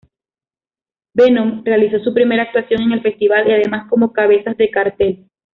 Venom realizó su primera actuación en el festival y además como cabezas de cartel.